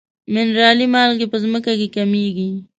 منرالي مالګې په ځمکه کې کمیږي.